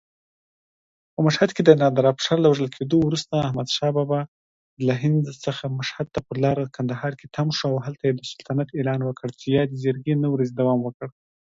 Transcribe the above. He worked with Metheny as both trumpeter and vocalist.